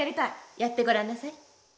やってごらんなさい。